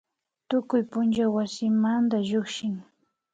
Tukuy punlla wasimanda llukshin